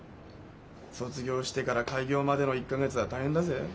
卒業してから開業までの１か月は大変だぜ。